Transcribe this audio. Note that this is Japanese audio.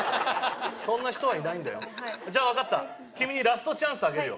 そんな人はいないんだよじゃあ分かった君にラストチャンスあげるよ